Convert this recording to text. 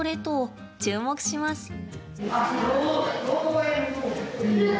と注目します。